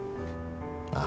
ああ。